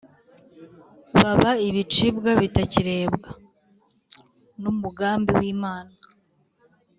baba ibicibwa bitakirebwa n’umugambi w’Imana.